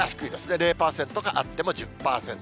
０％か、あっても１０％。